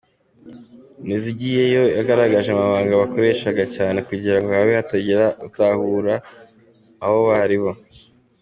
Nizigiyeyo yagaragaje amabanga bakoreshaga cyane kugira ngo habe hatagira utahura abo bari bo.